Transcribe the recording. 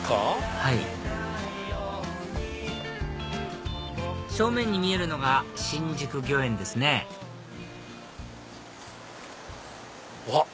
はい正面に見えるのが新宿御苑ですねわっ！